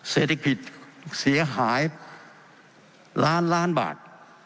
เศรษฐกิจเสียหายล้านล้านบาท